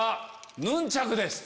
ヌンチャクです。